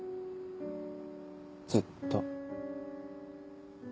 ずっと。